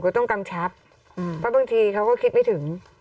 ต้องกำชับเพราะบางทีเขาก็คิดไม่ถึง